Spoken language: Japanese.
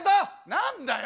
何だよ。